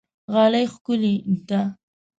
غالۍ ښکلې ده.